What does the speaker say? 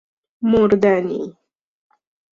مردنی